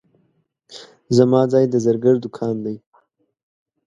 زما ځای د زرګر دوکان دی.